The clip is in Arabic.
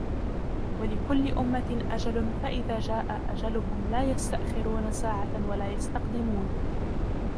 وَلِكُلِّ أُمَّةٍ أَجَلٌ فَإِذَا جَاءَ أَجَلُهُمْ لَا يَسْتَأْخِرُونَ سَاعَةً وَلَا يَسْتَقْدِمُونَ